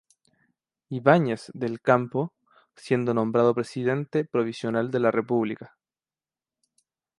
Ibáñez del Campo, siendo nombrado Presidente Provisional de la República.